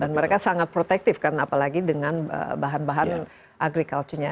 dan mereka sangat protektif kan apalagi dengan bahan bahan agrikulturnya